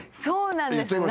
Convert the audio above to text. そうなんです！